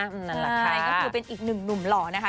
นี่นี่เป็นอีกหนึ่งหนุ่มหล่อนะคะ